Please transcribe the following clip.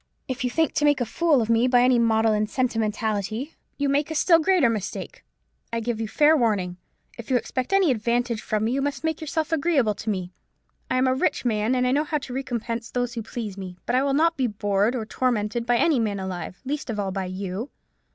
If you think to make a fool of me by any maudlin sentimentality, you make a still greater mistake. I give you fair warning. If you expect any advantage from me, you must make yourself agreeable to me. I am a rich man, and know how to recompense those who please me: but I will not be bored or tormented by any man alive: least of all by you.